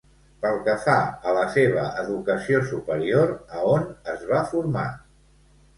Pel que fa a la seva educació superior, a on es va formar?